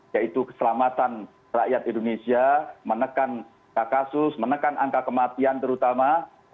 yaitu keselamatan rakyat indonesia menekan angka kasus menekan angka kematian terutama